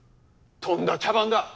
とんだ茶番だ！